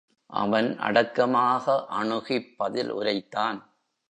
அவன் அடக்கமாக அணுகிப் பதில் உரைத்தான்.